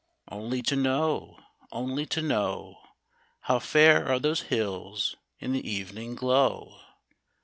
Only to know, only to know How fair are those hills in the evening glow